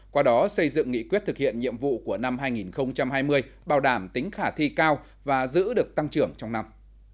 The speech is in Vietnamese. qua đó xây dựng nghị quyết thực hiện nhiệm vụ của năm hai nghìn hai mươi bảo đảm tính khả thi cao và giữ được tăng trưởng trong năm